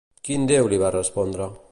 Quin déu li va respondre?